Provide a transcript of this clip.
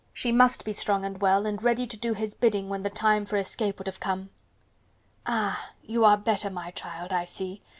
she must be strong and well and ready to do his bidding when the time for escape would have come. "Ah! you are better, my child, I see..."